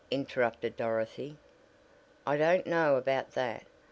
interrupted Dorothy. "I don't know about that.